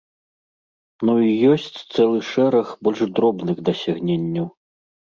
Ну і ёсць цэлы шэраг больш дробных дасягненняў.